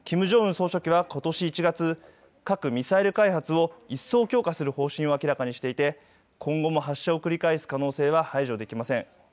総書記はことし１月、核・ミサイル開発を一層強化する方針を明らかにしていて今後も発射を繰り返す可能性は排除できません。